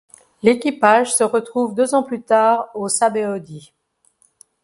L'équipage se retrouve deux ans plus tard aux Sabaody.